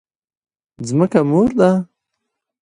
ځمکه مور ده؟